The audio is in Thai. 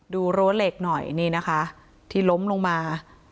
รั้วเหล็กหน่อยนี่นะคะที่ล้มลงมา